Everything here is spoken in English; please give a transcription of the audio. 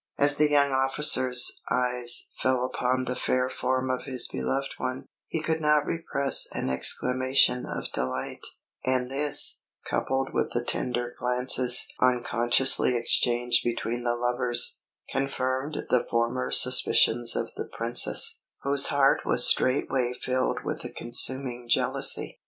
As the young officer's eyes fell upon the fair form of his beloved one, he could not repress an exclamation of delight; and this, coupled with the tender glances unconsciously exchanged between the lovers, confirmed the former suspicions of the Princess, whose heart was straightway filled with a consuming jealousy.